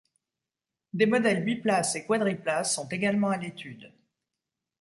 Des modèles biplace et quadriplace sont également à l'étude.